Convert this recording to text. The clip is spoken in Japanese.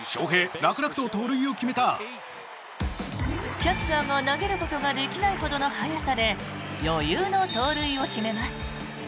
キャッチャーが投げることができないほどの速さで余裕の盗塁を決めます。